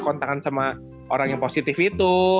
kontangan sama orang yang positif itu